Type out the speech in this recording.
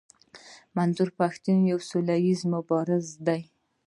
منظور پښتين يو سوله ايز مبارز دی.